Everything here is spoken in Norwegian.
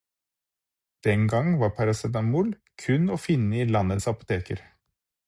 Den gang var paracetamol kun å finne i landets apoteker.